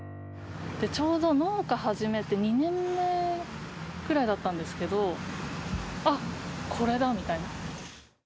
ちょうど農家始めて２年目くらいだったんですけど、あっ、これだ！みたいな。